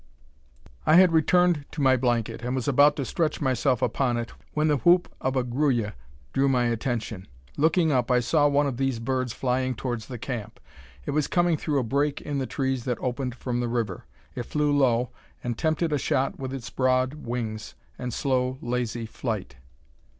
I had returned to my blanket, and was about to stretch myself upon it, when the whoop of a gruya drew my attention. Looking up, I saw one of these birds flying towards the camp. It was coming through a break in the trees that opened from the river. It flew low, and tempted a shot with its broad wings, and slow, lazy flight.